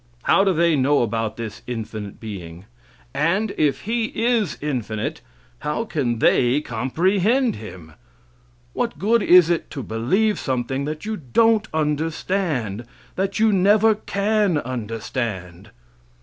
How do they know about this infinite being? And if He is infinite, how can they comprehend Him? What good is it to believe something that you don't understand that you never can understand?